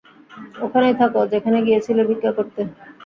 ওখানেই থাকো, যেখানে গিয়েছিলে ভিক্ষা করতে।